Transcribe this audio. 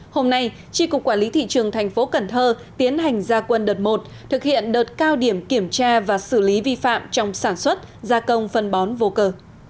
hôm nay tri cục quản lý thị trường tp cn tiến hành gia quân đợt một thực hiện đợt cao điểm kiểm tra và xử lý vi phạm trong sản xuất gia công phân bón vô cơ